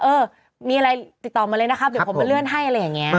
เออมีอะไรติดต่อมาเลยนะครับเดี๋ยวผมมาเลื่อนให้อะไรอย่างนี้